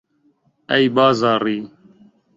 ئەی بازاڕی